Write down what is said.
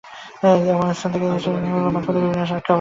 এসব স্থান থেকে ছেড়ে আসা ট্রেনগুলো মাঝপথে বিভিন্ন স্টেশনে আটকা পড়ে।